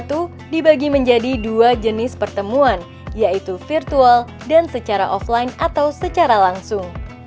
pertemuan isaf dua ribu dua puluh satu dibagi menjadi dua jenis pertemuan yaitu virtual dan secara offline atau secara langsung